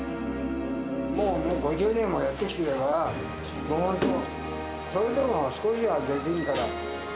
もう５０年もやってきてるから、本当、それでも少しはできるから。